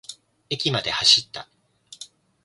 駅まで走った。